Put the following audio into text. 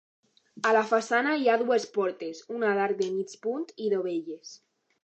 A la façana hi ha dues portes, una d'arc de mig punt i dovelles.